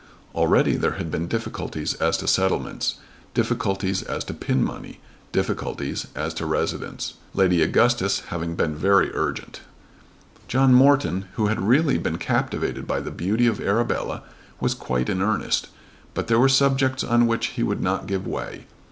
Already there had been difficulties as to settlements, difficulties as to pin money, difficulties as to residence, Lady Augustus having been very urgent. John Morton, who had really been captivated by the beauty of Arabella, was quite in earnest; but there were subjects on which he would not give way.